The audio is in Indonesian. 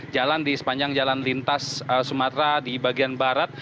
jalan di sepanjang jalan lintas sumatera di bagian barat